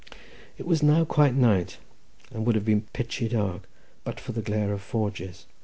It was now quite night, and it would have been pitchy dark but for the glare of the forges.